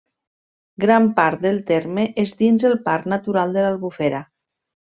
Gran part del terme és dins del Parc Natural de l'Albufera.